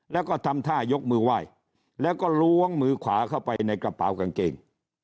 แล้วก็ทำท่ายกมือไหว้แล้วก็ล้วงมือขวาเข้าไปในกระเป๋ากางเกง